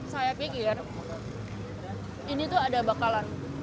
saya pikir ini tuh ada bakalan